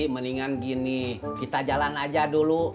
mendingan gini kita jalan aja dulu